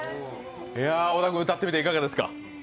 小田君、歌ってみていかがでしたか？